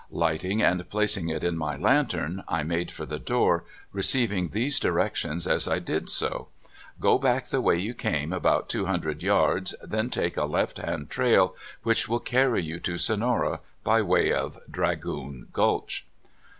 Lighting and plac ing it in m}^ lantern, I made for the door, receiv ing these directions as I did so: "Go back the way you came about two hundred yards, then take a left hand trail, which will carry you to Sonora by way of Dragoon Gulch."